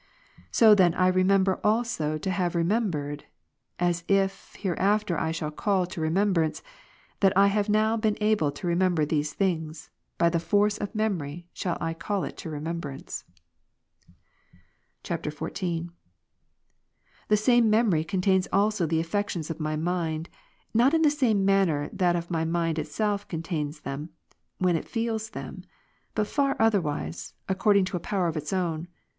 So then I remember also to have remembered ; as, if hereafter I shall call to remem brance, that I have now been able to remember these things, by the force of memory shall I call it to remembrance. [XIV,] 21. The same memory contains also the affections of my mind, not in the same manner that my mind itself con tains them, when it feels them ; but far otherwise, according to a power of its own.